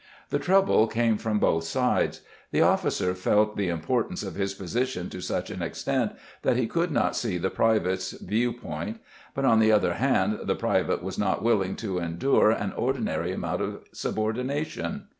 The trouble came from both sides; the officer felt the importance of his position to such an extent that he could not see the private's view point, but on the other hand the private was not willing to endure an ordinary amount of subordination.